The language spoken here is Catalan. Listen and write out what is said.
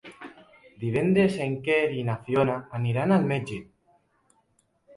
Divendres en Quer i na Fiona aniran al metge.